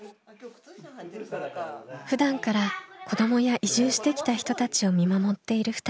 ふだんから子どもや移住してきた人たちを見守っている２人。